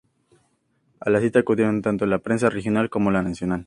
A la cita acudieron tanto la prensa regional como la nacional.